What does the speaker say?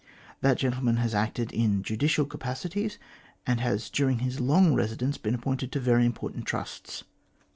That gentleman has acted in judicial capacities and has during his long residence been appointed to very important trusts.